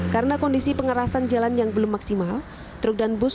karena kondisi pengerasan jalan yang belum maksimal truk dan bus dilarang masuk